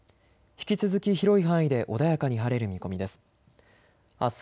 引き続き広い範囲で穏やかに晴れる見込みです。